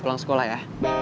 pulang sekolah ya